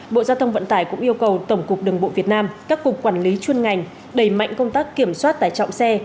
bộ giao thông vận tải cũng yêu cầu tổng cục đường bộ việt nam các cục quản lý chuyên ngành đẩy mạnh công tác kiểm soát tải trọng xe